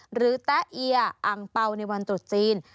แต๊ะเอียอังเปล่าในวันตรุษจีน